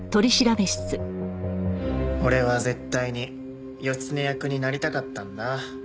俺は絶対に義経役になりたかったんだ。